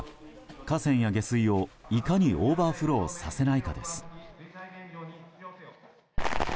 河川や下水をいかにオーバーフローさせないかです。